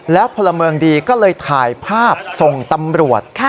แล้วพลเมืองดีก็เลยถ่ายภาพส่งตำรวจ